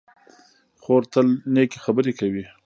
خور تل نېکې خبرې کوي.